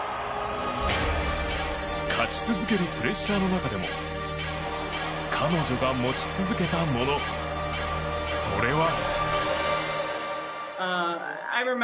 勝ち続けるプレッシャーの中でも彼女が持ち続けたものそれは。